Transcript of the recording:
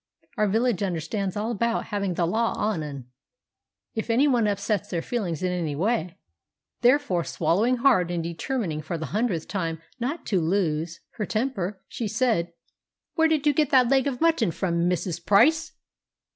Our village understands all about "having the law on 'un," if anyone upsets their feelings in any way. Therefore, swallowing hard, and determining for the hundredth time not to lose her temper, she said, "Where did you get that leg of mutton from, Mrs. Price?"